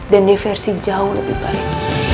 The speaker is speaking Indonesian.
dan di versi jauh lebih baik